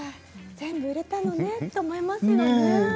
全部売れたのねと思いますよね。